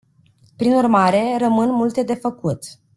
Prin urmare, rămân multe de făcut.